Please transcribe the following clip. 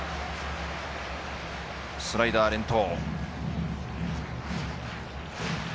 スライダー連投。